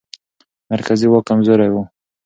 مرکزي واک کمزوری و.